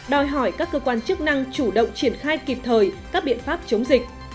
đòi hỏi các cơ quan chức năng chủ động triển khai kịp thời các biện pháp chống dịch